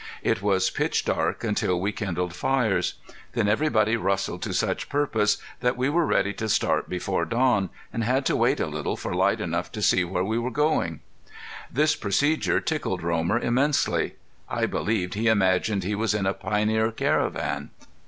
It was pitch dark until we kindled fires. Then everybody rustled to such purpose that we were ready to start before dawn, and had to wait a little for light enough to see where we were going. This procedure tickled Romer immensely. I believed he imagined he was in a pioneer caravan.